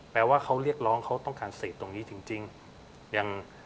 ว่าเขาเรียกร้องเขาต้องการเสพตรงนี้จริงยัง